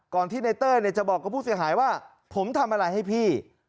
ก่อนที่ในเต้ยจะบอกกับผู้เสียหายว่าผมทำอะไรให้พี่